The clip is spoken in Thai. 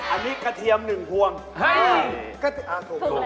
อันนี้กระเทียม๑ธวงกระเทียมอ้าวถูกแล้ว